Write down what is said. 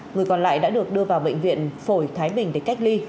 người còn lại đã được đưa vào bệnh viện phổi thái bình để cách ly